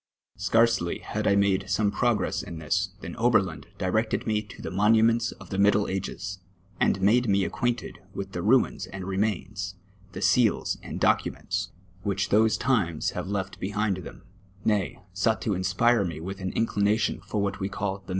Scarcelj' had I made some progress in this, than Oberlin directed me to the moiuiments of the middle ages, and made mc acquainted with the ruins and remains, the seals and docu KOCH AND OHERLIN, 413 monls, wliich thoso times linvc left boliind them ; nay, souj^ht to inspire me witli an inclination lor 'what we called tho